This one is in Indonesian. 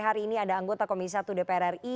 hari ini ada anggota komisi satu dpr ri